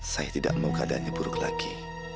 saya tidak mau keadaannya buruk lagi